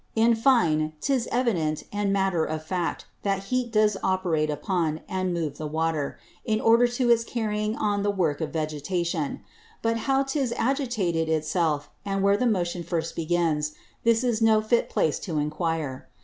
In fine, 'tis evident and matter of Fact, that Heat does operate upon, and move the Water, in order to its carrying on the Work of Vegetation: But how 'tis agitated it self, and where the Motion first begins, this is no fit Place to enquire.